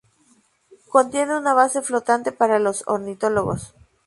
Contiene una base flotante para los ornitólogos.